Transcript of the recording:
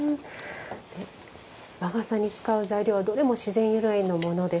和傘に使う材料はどれも自然由来のものです。